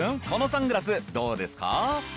このサングラスどうですか？